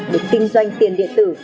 được kinh doanh tiền điện tử